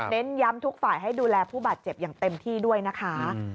ย้ำทุกฝ่ายให้ดูแลผู้บาดเจ็บอย่างเต็มที่ด้วยนะคะ